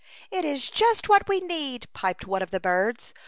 " It is just what we need," piped one of the birds.